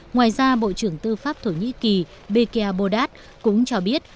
ngoài ra bộ trưởng tư pháp thổ nhĩ kỳ bekeabodat cũng cho biết